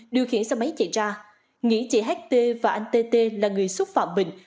điều khiển xe máy chạy ra nghĩ chị ht và anh tt là người xúc phạm mình